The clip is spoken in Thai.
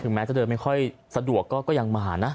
แม้จะเดินไม่ค่อยสะดวกก็ยังมานะ